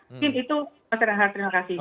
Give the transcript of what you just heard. mungkin itu masyarakat terima kasih